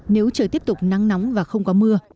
nếu trời tiếp tục nắng nóng và không có mưa